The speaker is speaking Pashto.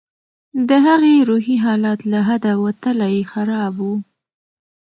د هغې روحي حالت له حده وتلى خراب و.